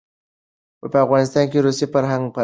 په افغانستان کې روسي فرهنګ پراخه و.